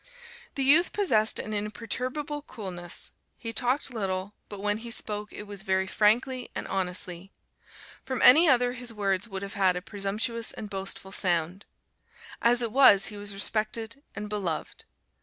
The youth possessed an imperturbable coolness: he talked little, but when he spoke it was very frankly and honestly. From any other his words would have had a presumptuous and boastful sound. As it was he was respected and beloved.